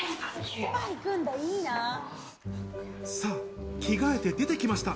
さぁ、着替えて出てきました。